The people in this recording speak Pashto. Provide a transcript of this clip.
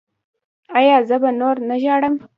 ایا زه به نور نه ژاړم؟